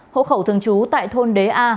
hộ khẩu thường trú tại thôn đế a